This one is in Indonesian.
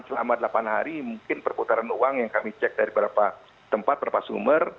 selama delapan hari mungkin perputaran uang yang kami cek dari beberapa tempat berapa sumber